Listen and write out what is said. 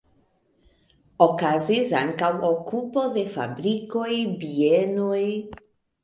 Okazis ankaŭ okupo de fabrikoj, bienoj.